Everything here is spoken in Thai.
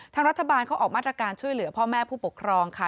ทางรัฐบาลเขาออกมาตรการช่วยเหลือพ่อแม่ผู้ปกครองค่ะ